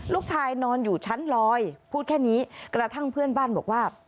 นอนอยู่ชั้นลอยพูดแค่นี้กระทั่งเพื่อนบ้านบอกว่า